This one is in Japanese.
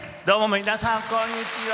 皆さん、こんにちは。